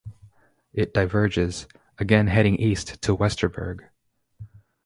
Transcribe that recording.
It diverges, again heading east to Westerburg.